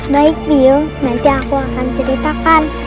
baik rio nanti aku akan ceritakan